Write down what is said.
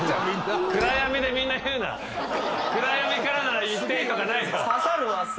暗闇からなら言っていいとかないぞ。